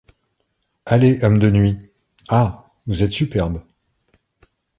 Allez, hommes de nuit. Ah ! vous êtes superbes